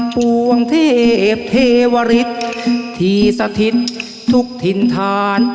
ปวงเทพเทวริสที่สถิตทุกถิ่นฐาน